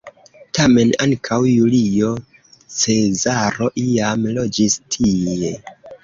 Tamen ankaŭ Julio Cezaro iam loĝis tie.